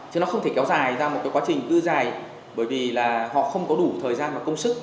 chứ nó không thể kéo dài ra một cái quá trình cư dài bởi vì là họ không có đủ thời gian và công sức